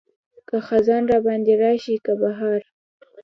که خزان راباندې راشي که بهار.